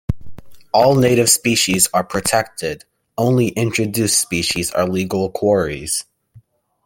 All native species are protected, only introduced species are legal quarries.